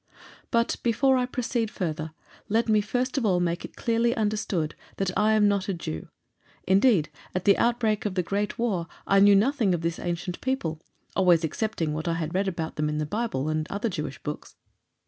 But before I proceed further, let me first of all make it clearly understood that I am not a Jew, indeed, at the outbreak of the Great War I knew nothing of this ancient people, always excepting what I had read about them in the Bible, and other Jewish books.